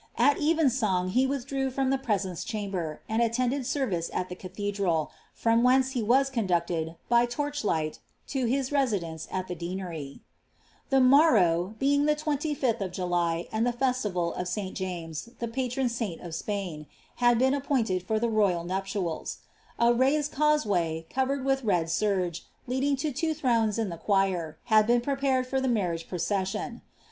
At even song he withdrew from the presence chamber, and attended service at the cathedral, from whence he was conduuled, by lorch lighl, lo hie resilience al ihe de»ncry.' "|Tlie morrow (being Ihe 2Bih of July.ond the festival of Si. Jomes, the of Sjuin,) had been appointeil for ihe royal nnpiials. A •d causeway, covered wilh red serge, lending lo Iwo ihroites in tho lir, had been prepared for the marriage process ion.